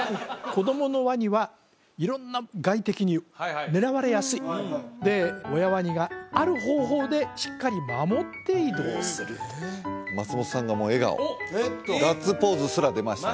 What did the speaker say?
子供のワニは色んな外敵に狙われやすいで親ワニがある方法でしっかり守って移動すると松本さんがもう笑顔ガッツポーズすら出ました